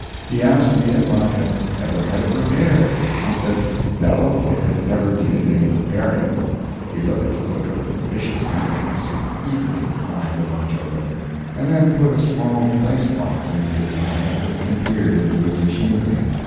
He asked me if I had ever had it repaired. I said no, it had never needed any repairing. He looked a look of vicious happiness and eagerly pried the watch open, and then put a small dice box into his eye and peered into its machinery.